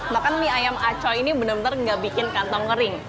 makan mie ayam acoy ini benar benar tidak membuat kantong kering